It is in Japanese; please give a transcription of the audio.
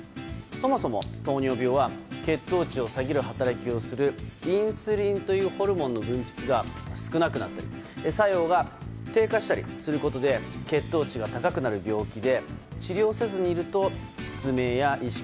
そもそも糖尿病は血糖値を下げる働きをするインスリンというホルモンの分泌が少なくなって作用が低下したりすることで血糖値が高くなる病気で治療せずにいると失明や意識